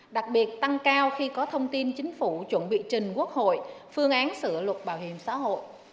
đặc biệt tăng cao khi có thông tin chính phủ chuẩn bị trình quốc hội phương án sửa luật bảo hiểm xã hội